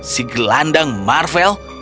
si gelandang marvel